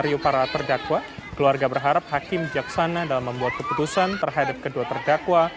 riu para terdakwa keluarga berharap hakim jaksana dalam membuat keputusan terhadap kedua terdakwa